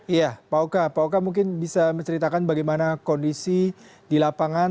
iya pak oka pak oka mungkin bisa menceritakan bagaimana kondisi di lapangan